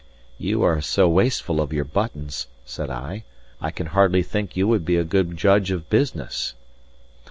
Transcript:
"You that are so wasteful of your buttons," said I, "I can hardly think you would be a good judge of business."